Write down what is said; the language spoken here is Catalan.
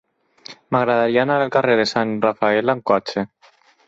M'agradaria anar al carrer de Sant Rafael amb cotxe.